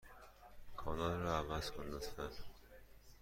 کانال را عوض کن، لطفا.